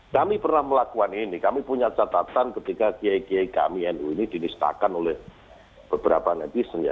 kami pernah melakukan ini kami punya catatan ketika gia gia kami ini dinistakan oleh beberapa negisen ya